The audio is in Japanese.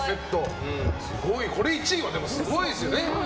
これ１位はすごいですよね。